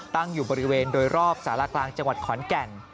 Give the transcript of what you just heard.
ตั้งอยู่บริเวณโดยรอบสารกลางจังหวัดขอนแก่น